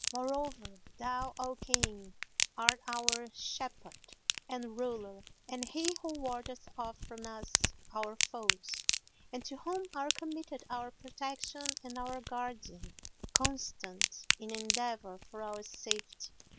Moreover thou, O King, art our shepherd and ruler and he who wardeth off from us our foes, and to whom are committed our protection and our guardian, constant in endeavour for our safety.